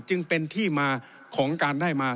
จึงเป็นที่มาของการได้มา